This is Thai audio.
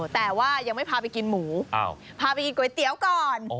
แต่ว่ายังไม่พาไปกินหมูพาไปกินก๋วยเตี๋ยวก่อน